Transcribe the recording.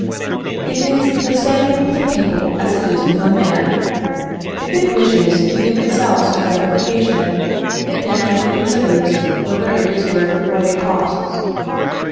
It is the same with a people as it is with a man. If it wishes to give itself some gratification, it naturally considers whether it is worth what it costs.